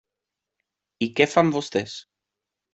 I què fan vostès?